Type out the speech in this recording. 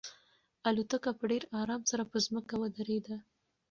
الوتکه په ډېر ارام سره په ځمکه ودرېده.